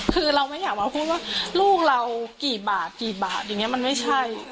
คือเราไม่อยากมาพูดว่าลูกเรากี่บาทกี่บาทอย่างนี้มันไม่ใช่